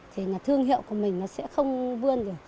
thì là thương hiệu của mình nó sẽ không vươn được